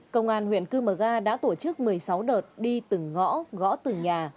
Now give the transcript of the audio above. công an huyện cư mờ ga đã tổ chức một mươi sáu đợt đi từng ngõ gõ từng nhà